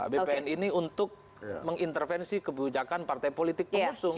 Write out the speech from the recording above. bpn ini untuk mengintervensi kebijakan partai politik pengusung